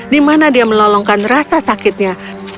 di mana dia melongkan rasa sakitnya